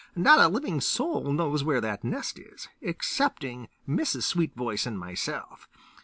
"Not a living soul knows where that nest is, excepting Mrs. Sweetvoice and myself.